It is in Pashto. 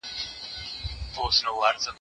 که وخت وي، مېوې وچوم،